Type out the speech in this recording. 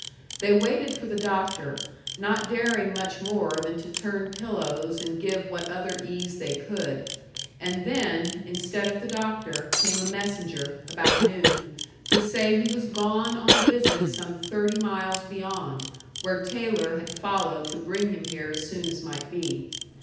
They waited for the doctor, not daring much more than to turn pillows and give what other ease they could; and then, instead of the doctor, came a messenger, about noon, to say he was gone on a visit some thirty miles beyond, where Taylor had followed to bring him here as soon as might be.